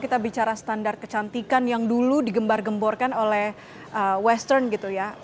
kita bisa lihat bahwa standar kecantikan yang dulu digembar gemborkan oleh western gitu ya